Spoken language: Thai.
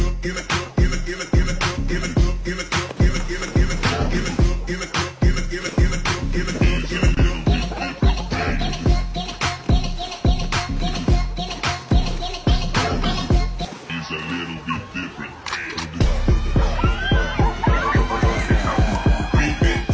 โปรดติดตามต่อไป